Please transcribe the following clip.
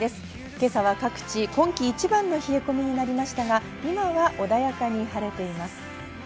今朝は各地、今季一番の冷え込みになりましたが、今は穏やかに晴れています。